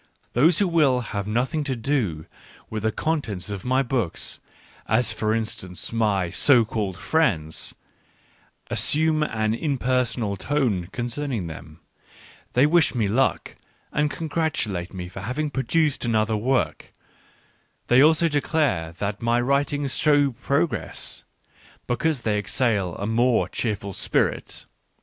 Those who will have nothing to do with the contents of my books, as for instance my so called friends, as sume an "impersonal" tone concerning them : they wish me luck, and congratulate me for having pro duced another work ; they also declare that my writings show progress, because they exhale a more cheerful spirit.